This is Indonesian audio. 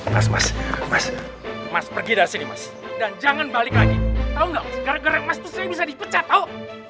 mas mas mas mas pergi dari sini mas jangan balik lagi tahu enggak gara gara mas bisa dipecat tau